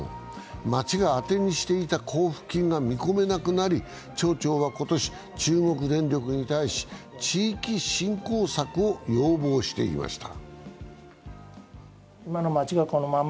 町が当てにしていた交付金が見込めなくなり町長は今年、中国電力に対し地域振興策を要望していました。